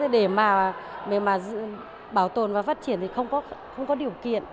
để mà bảo tồn và phát triển thì không có điều kiện